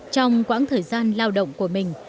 trong quãng thời gian lao động của mình